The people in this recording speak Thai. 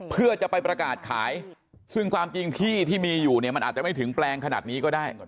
เพื่อจะไปประกาศขายซึ่งความจริงที่ที่มีอยู่เนี่ยมันอาจจะไม่ถึงแปลงขนาดนี้ก็ได้